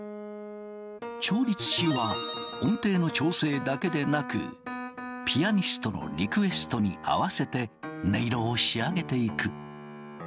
調律師は音程の調整だけでなくピアニストのリクエストに合わせて音色を仕上げていく。